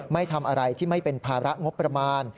ไม่ทำอะไรที่ไม่เป็นภาระงบประมาณ